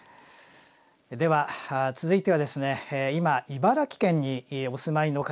では続いてはですね今茨城県にお住まいの方々の声です。